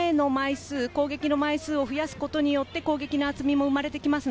前の枚数を増やすことによって攻撃の厚みも生まれてきます。